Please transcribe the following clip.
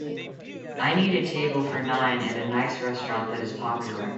I need a table for nine at a nice restaurant that is popular